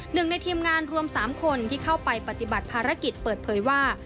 หนึ่งในทีมงานรวม๓คนที่เข้าไปปฏิบัติภารกิจเปิดเผยว่า